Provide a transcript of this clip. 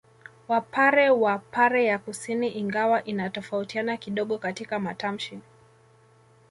Wapare wa pare ya kusini ingawa inatofautiana kidogo katika matamshi